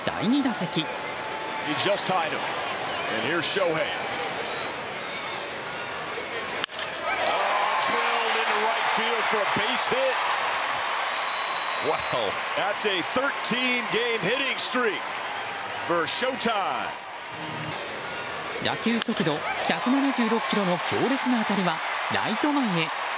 打球速度１７６キロの強烈な当たりはライト前へ。